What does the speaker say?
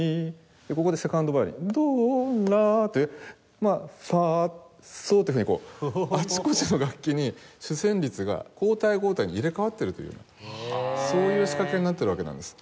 ここでセカンドヴァイオリン「ド」「ラ」「ファ」「ソ」っていうふうにこうあちこちの楽器に主旋律が交代交代に入れ替わってるというようなそういう仕掛けになってるわけなんです。